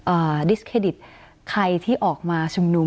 ที่เราต้องมาดิสเครดิตใครที่ออกมาชุมนุม